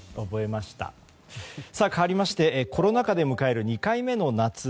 かわりましてコロナ禍で迎える２回目の夏。